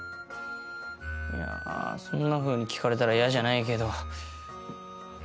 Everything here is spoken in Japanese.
いやそんなふうに聞かれたら嫌じゃないけど。